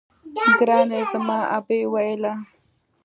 ګراني زما ابۍ ويله